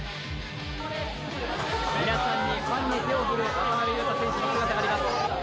ファンに手を振る渡邊雄太選手の姿があります。